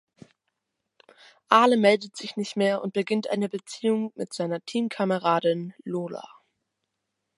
Ale meldet sich nicht mehr und beginnt eine Beziehung mit seiner Teamkameradin Lola.